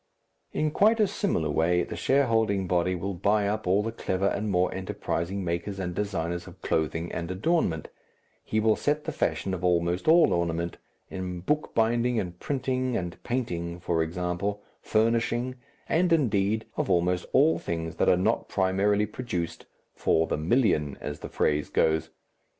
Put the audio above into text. In quite a similar way the shareholding body will buy up all the clever and more enterprising makers and designers of clothing and adornment, he will set the fashion of almost all ornament, in bookbinding and printing and painting, for example, furnishing, and indeed of almost all things that are not primarily produced "for the million," as the phrase goes.